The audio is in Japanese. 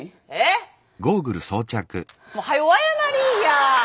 もうはよ謝りぃや。